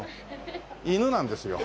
犬なんですよ。